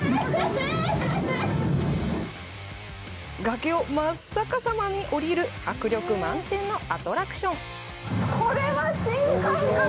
崖を真っ逆さまに下りる迫力満点のアトラクション。